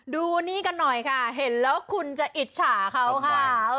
ดูนี่กันหน่อยค่ะเห็นแล้วคุณจะอิจฉาเขาค่ะ